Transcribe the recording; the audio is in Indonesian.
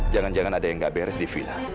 jangan jangan ada yang gak beres di villa